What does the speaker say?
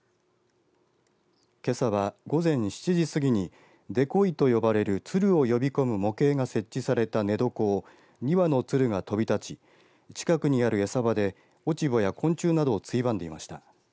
けさは午前７時過ぎにデコイと呼ばれる鶴を呼び込む模型が設置された寝床を２羽の鶴が飛び立ち近くにある餌場で落ち穂や昆虫などをついばんでいました。